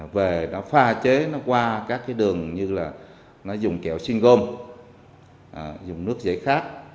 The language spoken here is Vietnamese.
về đó pha chế nó qua các cái đường như là nó dùng kẹo xinh gôm dùng nước dễ khát